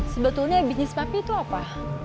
sebetulnya bisnis papi itu apa